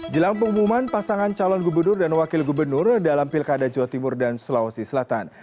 jelang pengumuman pasangan calon gubernur dan wakil gubernur dalam pilkada jawa timur dan sulawesi selatan